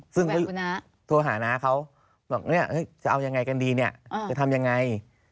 ซึ่งเขาโทรหาน้าเขาบอกเนี่ยจะเอายังไงกันดีเนี่ยจะทำยังไง